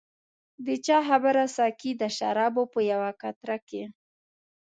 د چا خبره ساقي د شرابو په یوه قطره کې.